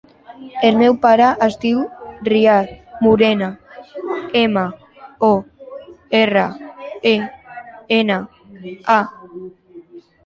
El meu pare es diu Riyad Morena: ema, o, erra, e, ena, a.